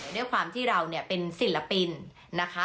ด้วยความที่เราเนี่ยเป็นศิลปินนะคะ